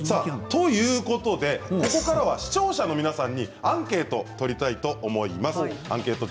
ということで、ここからは視聴者の皆さんにアンケートを取りたいと思います。